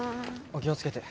お気を付けて。